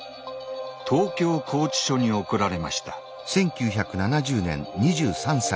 東京拘置所に送られました。